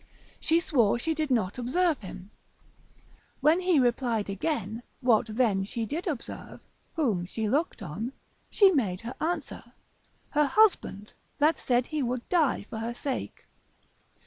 she swore she did not observe him; when he replied again, what then she did observe, whom she looked on? She made answer, her husband, that said he would die for her sake.